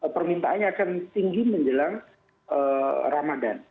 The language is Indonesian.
permintaannya akan tinggi menjelang ramadan